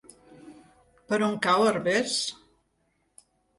Per on cau Herbers?